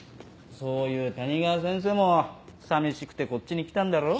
そういう谷川先生も寂しくてこっちに来たんだろ？